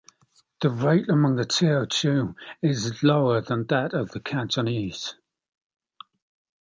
The rate among the Teochew is lower than that of the Cantonese.